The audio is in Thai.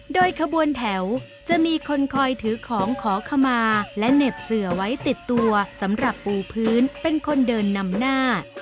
โดยขบวนแถวจะมีคนคอยถือของขอขมาและเหน็บเสือไว้ติดตัวสำหรับปูพื้นเป็นคนเดินนำหน้า